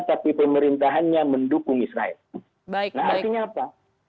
tapi pemerintahnya mendukung israel hasilnya apa